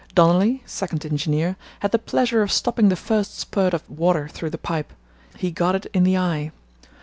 Donolly (second engineer) had the pleasure of stopping the first spurt of water through the pipe; he got it in the eye.